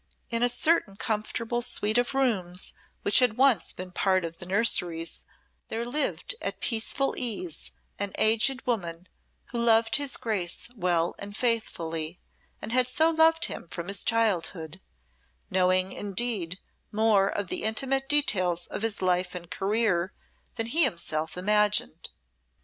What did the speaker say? In a certain comfortable suite of rooms which had once been a part of the nurseries there lived at peaceful ease an aged woman who loved his Grace well and faithfully, and had so loved him from his childhood, knowing indeed more of the intimate details of his life and career than he himself imagined.